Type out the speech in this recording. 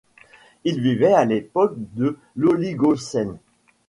Il vivait à l'époque de l'Oligocène.